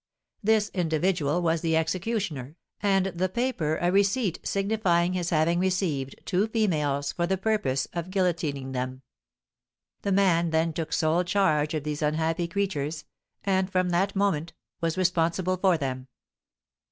This individual was the executioner, and the paper a receipt signifying his having received two females for the purpose of guillotining them. The man then took sole charge of these unhappy creatures, and, from that moment, was responsible for them.